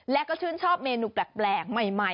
และก็ชื่นชอบเมนูแปลกใหม่